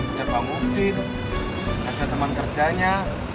udah bang ufdin ada teman kerjanya